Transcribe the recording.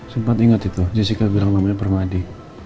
sempat ingat itu jessica bilang namanya permadi